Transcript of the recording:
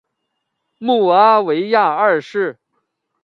穆阿维亚二世。